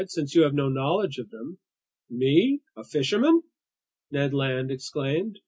"Since you have no knowledge of them." "Me? A fisherman!" Ned Land exclaimed.